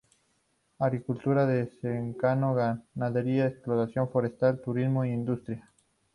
Agricultura de secano, ganadería, explotación forestal, turismo e industria.